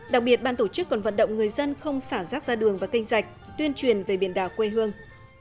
đặc biệt ban tổ chức còn vận động người dân không xả rác ra đường và canh rạch tuyên truyền về biển đảo quê hương